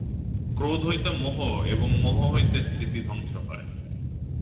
ক্রোধ হইতে মোহ এবং মোহ হইতে স্মৃতিধ্বংস হয়।